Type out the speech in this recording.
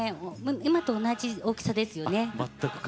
今と同じ大きさですね。